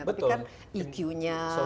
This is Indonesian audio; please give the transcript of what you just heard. tapi kan iq nya